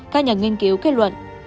các nhà nghiên cứu kết luận